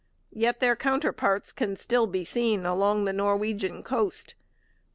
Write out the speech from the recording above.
Yet their counterparts can still be seen along the Norwegian coast.